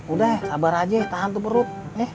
udah sabar aja tahan tuh perut